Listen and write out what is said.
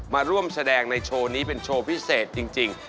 มาร่วมแสดงในโชว์นี้เป็นโชว์พิเศษจริง